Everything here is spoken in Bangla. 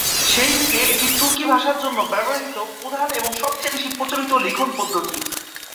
সেই থেকে এটি তুর্কি ভাষার জন্য ব্যবহৃত প্রধান এবং সবচেয়ে বেশি প্রচলিত লিখন পদ্ধতি।